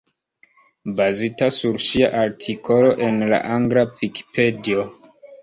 Bazita sur ŝia artikolo en la angla Vikipedio.